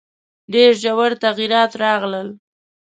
ډېر ژور تغییرات راغلل.